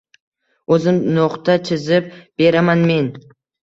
o‘zim no‘xta chizib beraman... men...»